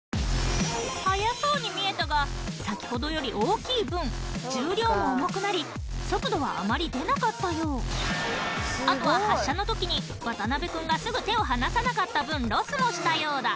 速そうに見えたが先ほどより大きい分重量も重くなり速度はあまり出なかったようあとは発射のときに渡辺くんがすぐ手を離さなかった分ロスもしたようだ